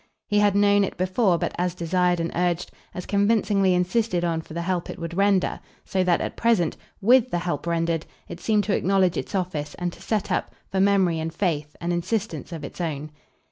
He had known it before but as desired and urged, as convincingly insisted on for the help it would render; so that at present, WITH the help rendered, it seemed to acknowledge its office and to set up, for memory and faith, an insistence of its own.